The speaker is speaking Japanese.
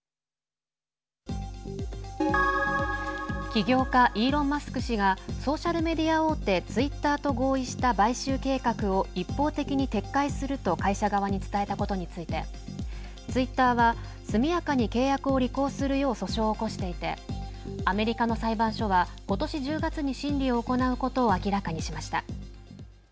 起業家イーロン・マスク氏がソーシャルメディア大手ツイッターと合意した買収計画を一方的に撤回すると会社側に伝えたことについてツイッターは速やかに契約を履行するよう訴訟を起こしていてアメリカの裁判所はことし１０月に審議を行うことを明らかにしました。